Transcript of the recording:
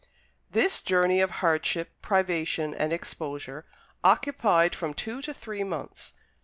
This journey of hardship, privation, and exposure occupied from two to three months.